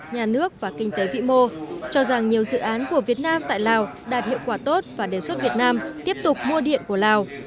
nhà nước và kinh tế vĩ mô cho rằng nhiều dự án của việt nam tại lào đạt hiệu quả tốt và đề xuất việt nam tiếp tục mua điện của lào